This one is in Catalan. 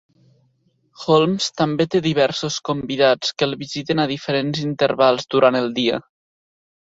Holmes també té diversos convidats que el visiten a diferents intervals durant el dia.